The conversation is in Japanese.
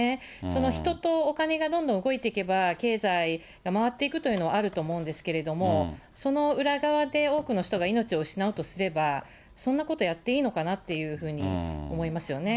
人とお金がどんどん動いてけば、経済が回っていくというのはあると思うんですけれども、その裏側で多くの人が命を失うとすれば、そんなことやっていいのかなっていうふうに思いますよね。